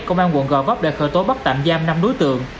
công an quận gò vấp đã khởi tố bắt tạm giam năm đối tượng